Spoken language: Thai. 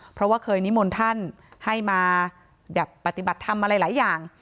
เพราะว่าเคยนิมนต์ท่านให้มาปฏิบัติธรรมอะไรหลายอย่าง